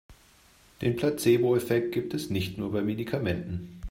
Den Placeboeffekt gibt es nicht nur bei Medikamenten.